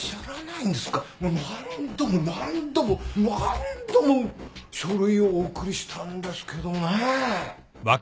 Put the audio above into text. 何度も何度も何度も書類をお送りしたんですけどねぇ。